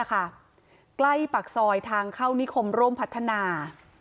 ใกล้ปากซอยทางเข้านิคมร่มพัฒนา